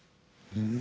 うん。